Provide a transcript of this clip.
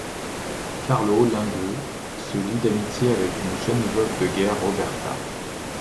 Carlo, l'un d'eux, se lie d'amitié avec une jeune veuve de guerre, Roberta.